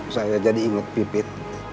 saya jadi inget pipit